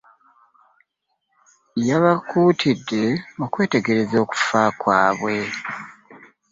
Yabakuutidde okwetegekera okufa kwabwe